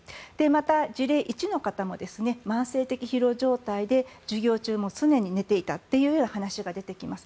また、事例１の方も慢性的疲労状態で授業中も常に寝ていたという話が出てきます。